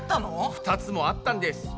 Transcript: ２つもあったんです。